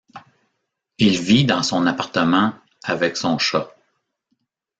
Il vit dans son appartement avec son chat.